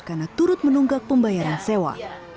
karena turut menunggak pembayaran sewa